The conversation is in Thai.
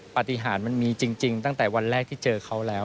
ปฏิหารมันมีจริงตั้งแต่วันแรกที่เจอเขาแล้ว